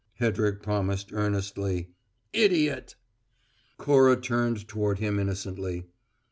Hedrick promised earnestly. "Idiot!" Cora turned toward him innocently.